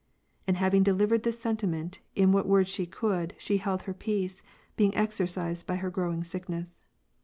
And having delivered this sentiment in what words she eould, she held her peace, being exercised by her growing sickness.